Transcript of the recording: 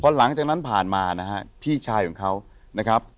หลังจากนั้นผ่านมานะฮะพี่ชายของเขานะครับ